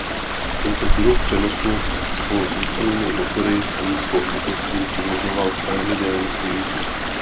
Tento druh přenosu spolu s výkonnými motory a nízkou hmotností umožňoval velmi dynamickou jízdu.